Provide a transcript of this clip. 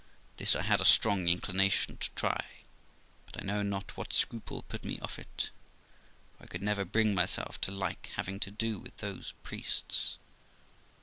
This I had a strong inclination to try, but I know not what scruple put me off of it, for I could never bring myself to like having to do with those priests.